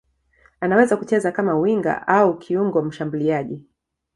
Anaweza kucheza kama winga au kiungo mshambuliaji.